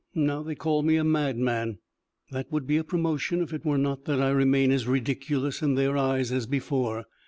Now they call me a madman. That would be a promotion if it were not that I remain as ridiculous in their eyes as before.